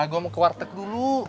gue mau ke warteg dulu